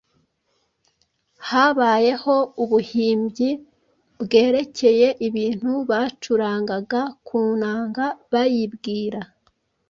Hababayeho ubuhimbyi bwerekeye ibintu bacurangaga ku nanga bayibwira.